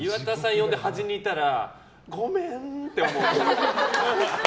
呼んで端にいたら、ごめん！って思う。